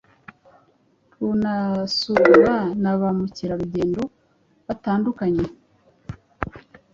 runasurwa na ba mukerarugendo batandukanye.